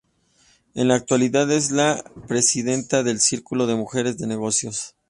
En la actualidad, es la presidenta del Círculo de Mujeres de Negocios.